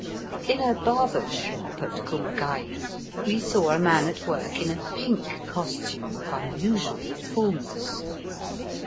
In a barber's shop at Kumagai we saw a man at work in a pink costume of unusual fulness.